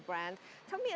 brand yang agak tua